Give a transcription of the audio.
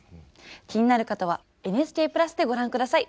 気になる方は「ＮＨＫプラス」でご覧下さい。